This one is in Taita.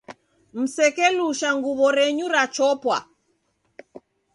Msekelusha nguw'o renyu rachopwa.